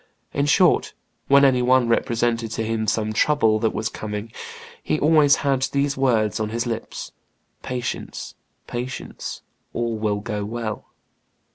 In short, when any one represented to him some trouble that was coming, he always had these words on his lips: 'Patience, patience; all will go well.